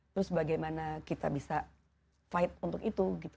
terus bagaimana kita bisa fight untuk itu